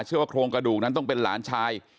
เชื่อว่าโครงกระดูกนั้นต้องเป็นหลานชาย